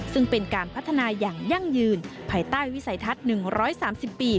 ซึ่งเป็นการพัฒนาอย่างยั่งยืนภายใต้วิสัยทัศน์๑๓๐ปี